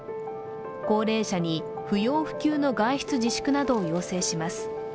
高齢者に不要不急の外出自粛などを要請します。